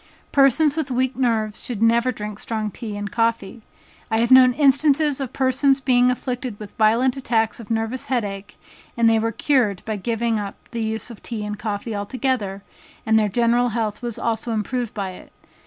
Persons with weak nerves should never drink strong tea and coffee. I have known instances of persons being afflicted with violent attacks of nervous head ache, that were cured by giving up the use of tea and coffee altogether, and their general health was also improved by it.